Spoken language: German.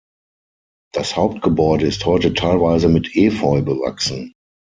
Das Hauptgebäude ist heute teilweise mit Efeu bewachsen.